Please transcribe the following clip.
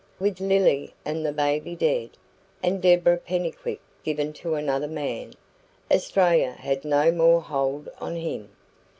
With Lily and the baby dead, and Deborah Pennycuick given to another man, Australia had no more hold on him.